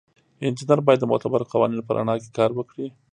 انجینر باید د معتبرو قوانینو په رڼا کې کار وکړي.